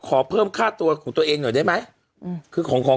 ขอเพิ่มค่าตัวของตัวเองหน่อยได้ไหมอืมคือของของ